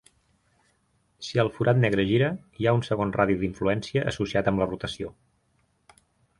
Si el forat negre gira, hi ha un segon radi d'influència associat amb la rotació.